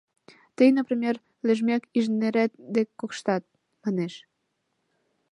«Тый, например, лӧжмӧк инженерет дек коштат», — манеш.